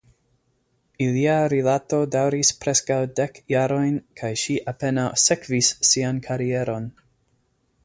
Ilia rilato daŭris preskaŭ dek jarojn kaj ŝi apenaŭ sekvis sian karieron.